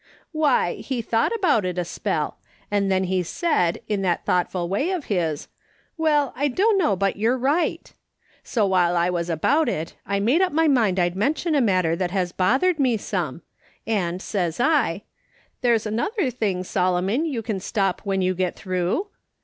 " Why, he thought about it a spell, and then he said, in that thoughtful way of his, ' Well, I dunno but you're right' So while I was about it, I made up my mind I'd mention a matter that has bothered IVI/A r SOL OMON LEA RNED. 43 me some, and says I :' There's another thinff, Solo mon, you can stop when you get through.'